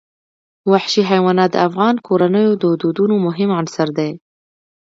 وحشي حیوانات د افغان کورنیو د دودونو مهم عنصر دی.